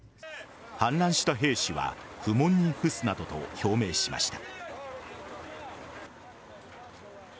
反乱した兵士は不問に付すなどと表明しました。